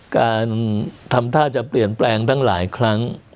การทำท่าจะเปลี่ยนแปลงทั้งหลายครั้ง